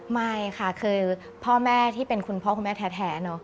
ไม่ค่ะคือพ่อแม่ที่เป็นคุณพ่อคุณแม่แท้เนอะ